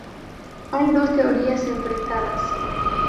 Hay dos teorías enfrentadas.